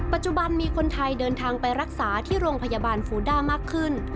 ปัจจุบันมีคนไทยเดินทางไปรักษาที่โรงพยาบาลฟูด้ามากขึ้น